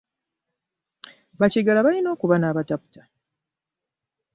Bakiggala balina okuba nabataputa.